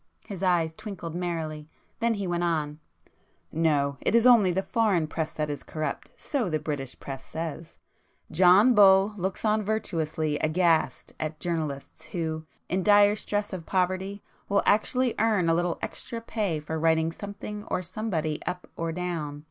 His eyes twinkled merrily,—then he went on—"No,—it is only the Foreign Press that is corrupt, so the British Press says;—John Bull looks on virtuously aghast at journalists who, in dire stress of poverty, will actually earn a little extra pay for writing something or somebody 'up' or 'down.